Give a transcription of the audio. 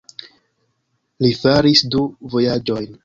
Li faris du vojaĝojn.